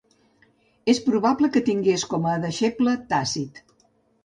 És probable que tingués com a deixeble Tàcit.